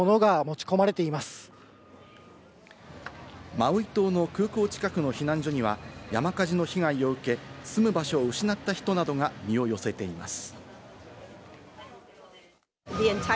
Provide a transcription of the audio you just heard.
マウイ島の空港近くの避難所には山火事の被害を受け、住む場所を失った人などが身を寄せています。